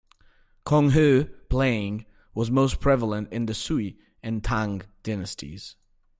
"Konghou" playing was most prevalent in the Sui and Tang dynasties.